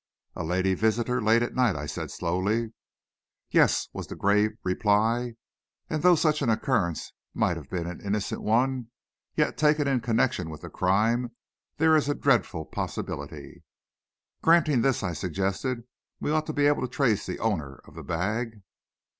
"A lady visitor, late at night," I said slowly. "Yes," was the grave reply; "and though such an occurrence might have been an innocent one, yet, taken in connection with the crime, there is a dreadful possibility." "Granting this," I suggested, "we ought to be able to trace the owner of the bag."